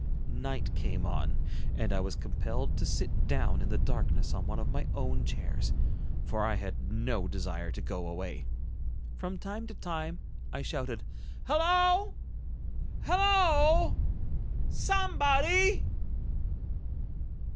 Night came on, and I was compelled to sit down in the darkness on one of my own chairs, for I had no desire to go away. From time to time I shouted, "Hallo, hallo, somebody."